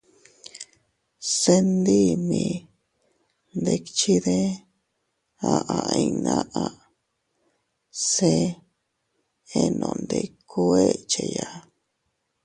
—Se ndii mii ndikchide— aʼa inñnaʼa—, se enondikuu echeya.